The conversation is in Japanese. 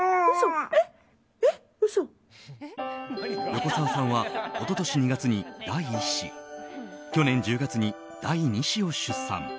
横澤さんは一昨年２月に第１子去年１０月に第２子を出産。